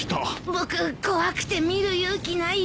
僕怖くて見る勇気ないよ。